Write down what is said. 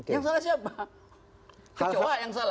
yang salah siapa